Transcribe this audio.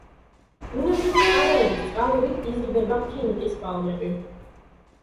ბუნებრივი წყაროების წყალობით იზრდება ფინიკის პალმები.